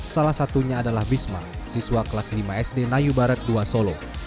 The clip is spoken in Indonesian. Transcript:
salah satunya adalah bisma siswa kelas lima sd nayu barat ii solo